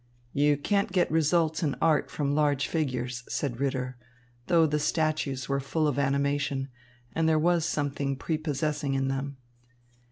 "You can't get results in art from large figures," said Ritter, though the statues were full of animation, and there was something prepossessing in them.